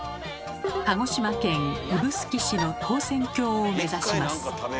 鹿児島県指宿市の唐船峡を目指します。